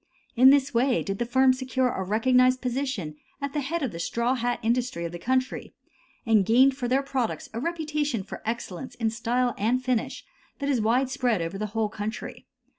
In this way did the firm secure a recognized position at the head of the straw hat industry of the country, and gained for their products a reputation for excellence in style and finish that is widespread over the whole country.